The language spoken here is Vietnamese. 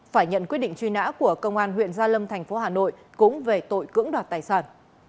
phải nhận quyết định truy nã của công an huyện gia lâm thành phố hà nội cũng về tội cưỡng đoạt tài sản